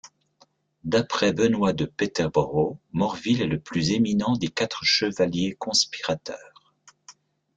D'après Benoît de Peterborough, Morville est le plus éminent des quatre chevaliers conspirateurs.